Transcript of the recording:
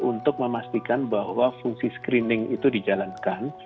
untuk memastikan bahwa fungsi screening itu dijalankan